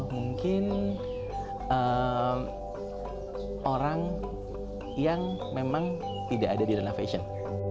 mungkin orang yang memang tidak ada di ranah fashion